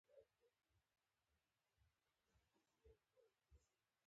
دا د خپلواکۍ د دورې کلني عاید په پرتله نیمايي شوی و.